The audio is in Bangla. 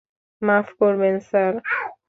মাফ করবেন, স্যার।